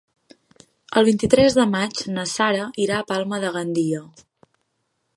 El vint-i-tres de maig na Sara irà a Palma de Gandia.